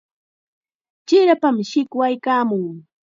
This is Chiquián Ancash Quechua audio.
Chirapam shikwaykaamun.